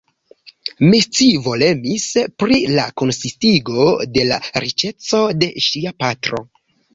Mi scivolemis pri la konsistigo de la riĉeco de ŝia patro.